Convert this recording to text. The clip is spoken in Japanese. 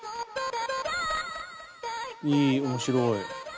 いい面白い。